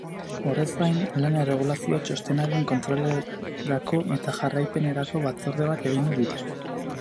Horrez gain, lan erregulazio txostenaren kontrolerako eta jarraipenerako batzorde bat egingo dute.